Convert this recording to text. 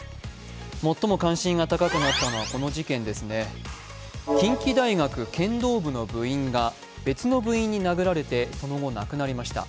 最も関心が高くなったのはこの事件です近畿大学剣道部の部員が別の部員に殴られて、その後亡くなりました。